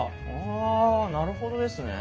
あなるほどですね。